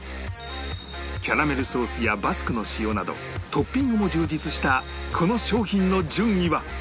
キャラメルソースやバスクの塩などトッピングも充実したこの商品の順位は？